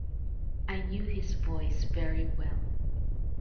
I knew his voice very well.